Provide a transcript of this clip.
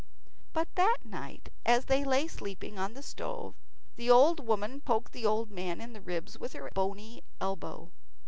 But that night, as they lay sleeping on the stove, the old woman poked the old man in the ribs with her bony elbow.